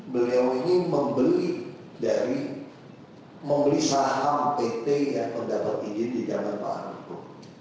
beliau ini membeli dari membeli saham pt yang mendapat izin di jaman mahal itu